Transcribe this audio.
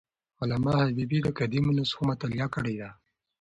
علامه حبیبي د قدیمو نسخو مطالعه کړې ده.